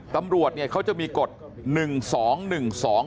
ตำรวจเค้าจะมีกฎ๑๒๑๒อยู่แล้ว